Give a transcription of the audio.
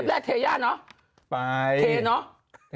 ทีแรกเทยาเนอะเทเนอะไปไป